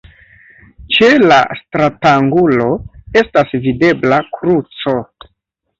Ĉe la stratangulo estas videbla kruco.